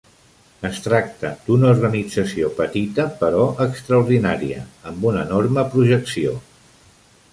Es tracta d'una organització petita però extraordinària, amb una enorme projecció.